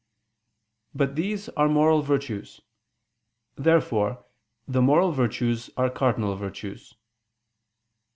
But these are moral virtues. Therefore the moral virtues are cardinal virtues.